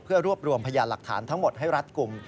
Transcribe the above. เพื่อรวบรวมพยานหลักฐานทั้งหมดให้รัฐกลุ่ม